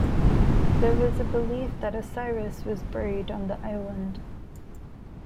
There was a belief that Osiris was buried on the island.